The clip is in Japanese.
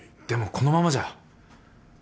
でもこのままじゃ。